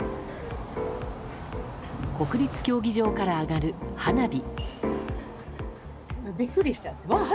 国立競技場から上がる花火。